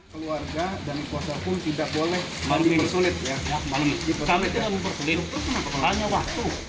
keluarga dan kuasa pun tidak boleh bersulit